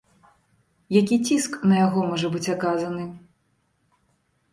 Які ціск на яго можа быць аказаны?